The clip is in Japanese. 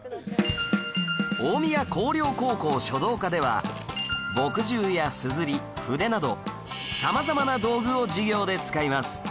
大宮光陵高校書道科では墨汁やすずり筆など様々な道具を授業で使います